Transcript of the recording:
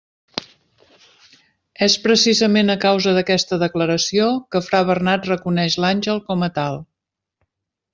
És precisament a causa d'aquesta declaració que fra Bernat reconeix l'àngel com a tal.